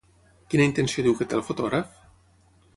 Quina intenció diu que té el fotògraf?